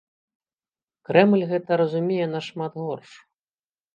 Крэмль гэта разумее нашмат горш.